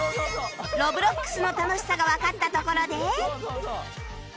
Ｒｏｂｌｏｘ の楽しさがわかったところで